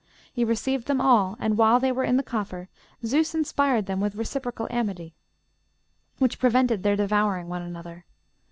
He received them all; and while they were in the coffer Zeus inspired them with reciprocal amity, which prevented their devouring one another.